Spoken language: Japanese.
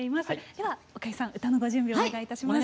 ではおかゆさん歌のご準備をお願いいたします。